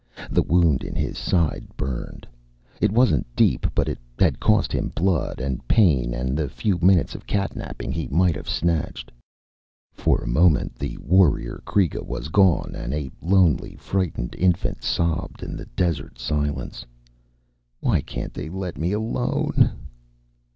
The wound in his side burned. It wasn't deep, but it had cost him blood and pain and the few minutes of catnapping he might have snatched. For a moment, the warrior Kreega was gone and a lonely, frightened infant sobbed in the desert silence. _Why can't they let me alone?